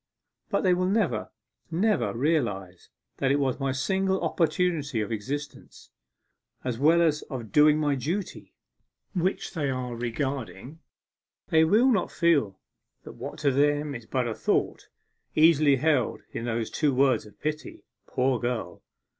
But they will never, never realize that it was my single opportunity of existence, as well as of doing my duty, which they are regarding; they will not feel that what to them is but a thought, easily held in those two words of pity, "Poor girl!"